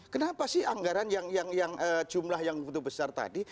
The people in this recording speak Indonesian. kenapa sih anggaran yang jumlah yang begitu besar tadi